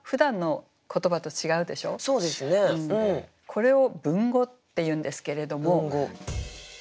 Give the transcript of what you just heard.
これを文語っていうんですけれども。